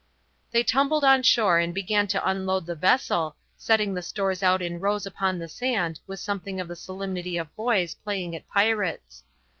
They tumbled on shore and began to unload the vessel, setting the stores out in rows upon the sand with something of the solemnity of boys playing at pirates.